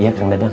iya kang dadang